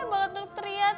banget tuh teriak